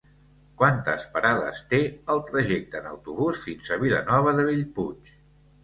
Quantes parades té el trajecte en autobús fins a Vilanova de Bellpuig?